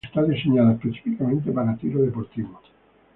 Está diseñada específicamente para tiro deportivo.